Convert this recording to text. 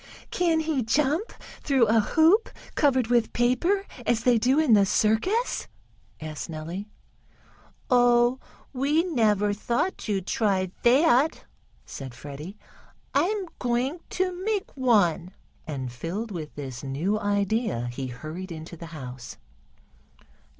"Can he jump through a hoop, covered with paper as they do in the circus?" asked Nellie. "Oh, we never thought to try that," said Freddie. "I'm going to make one," and, filled with this new idea, he hurried into the house.